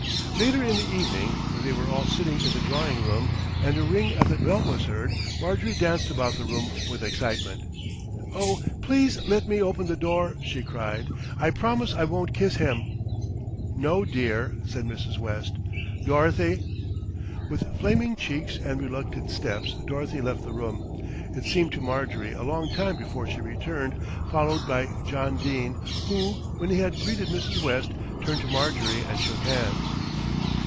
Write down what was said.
Later in the evening when they were all sitting in the drawing room and a ring at the bell was heard, Marjorie danced about the room with excitement. "Oh, please let me open the door," she cried. "I promise I won't kiss him." "No, dear," said Mrs. West. "Dorothy." With flaming cheeks and reluctant steps Dorothy left the room. It seemed to Marjorie a long time before she returned, followed by John Dene, who, when he had greeted Mrs. West, turned to Marjorie and shook hands.